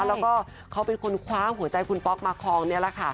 แล้วก็เขาเป็นคนคว้าหัวใจคุณป๊อกมาคลองนี่แหละค่ะ